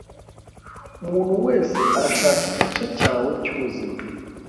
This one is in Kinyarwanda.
Umuntu wese arashaka igice cyawe cyubuzima